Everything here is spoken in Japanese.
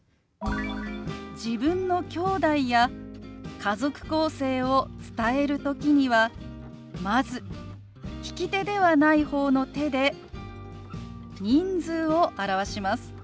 自分のきょうだいや家族構成を伝える時にはまず利き手ではない方の手で人数を表します。